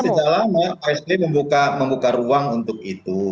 ya ini sejauh lama pak sb membuka ruang untuk itu